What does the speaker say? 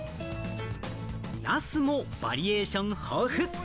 ナスもバリエーション豊富。